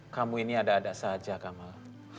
kamu ini ada ada saja kamal